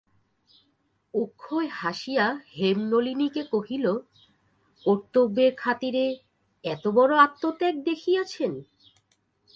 অক্ষয় হাসিয়া হেমনলিনীকে কহিল, কর্তব্যের খাতিরে এতবড়ো আত্মত্যাগ দেখিয়াছেন?